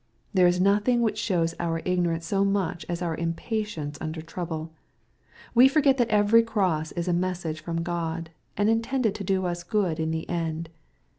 There is nothing which shows our ignorance so much as our impatience under trouble. We forget that every cross is a message from God, and intended to do us good in the end.